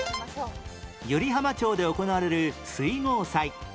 湯梨浜町で行われる水郷祭